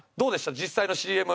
実際のＣＭ動画。